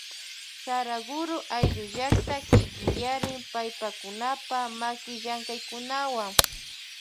Saraguro ayllu llakta kikinyarin paypakunapa makillamkaykunawa.